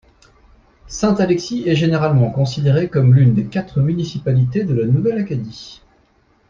Saint-Alexis est généralement considérée comme l'une des quatre municipalités de la Nouvelle-Acadie.